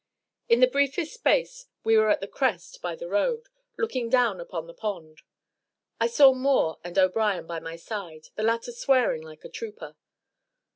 In the briefest space we were at the crest by the road, looking down upon the pond. I saw Moore and O'Brien by my side the latter swearing like a trooper.